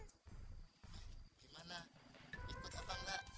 gimana ikut atau enggak